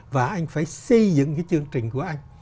và anh phải xây dựng cái chương trình của anh